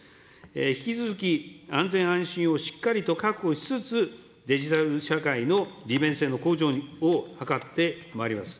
引き続き安全安心をしっかりと確保しつつ、デジタル社会の利便性の向上を図ってまいります。